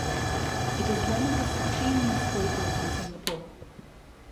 It is one of the sixteen newspapers in Singapore.